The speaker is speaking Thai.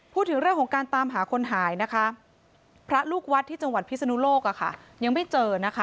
พูดถึงเรื่องของการตามหาคนหายนะคะพระลูกวัดที่จังหวัดพิศนุโลกยังไม่เจอนะคะ